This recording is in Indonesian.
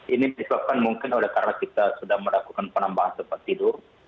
ini disebabkan mungkin karena kita sudah melakukan penambahan tempat tidur